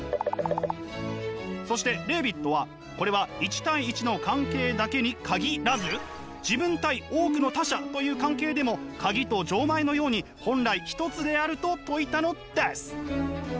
そしてレーヴィットはこれは１対１の関係だけに限らず「自分」対「多くの他者」という関係でもカギと錠前のように本来ひとつであると説いたのです。